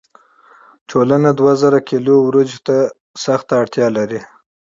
ټولنه دوه زره کیلو وریجو ته سخته اړتیا لري.